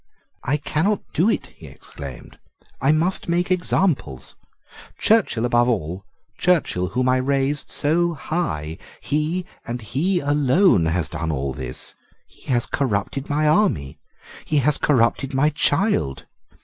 "I cannot do it," he exclaimed. "I must make examples, Churchill above all; Churchill whom I raised so high. He and he alone has done all this. He has corrupted my army. He has corrupted my child.